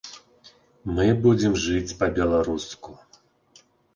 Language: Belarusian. Мы будзем жыць па-беларуску.